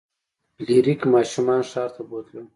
فلیریک ماشومان ښار ته بوتلل.